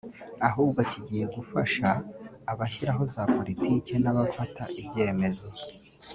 ahubwo kigiye gufasha abashyiraho za Politike n’abafata ibyemezo